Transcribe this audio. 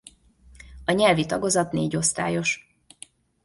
A nyelvi tagozat négyosztályos.